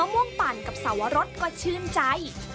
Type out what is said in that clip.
ม่วงปั่นกับสาวรสก็ชื่นใจ